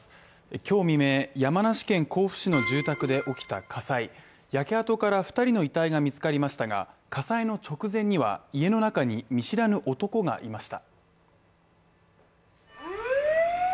今日未明、山梨県甲府市の住宅で起きた火災で、焼け跡から２人の遺体が見つかりましたが、火災の直前には家の中に見知らぬ男がいました。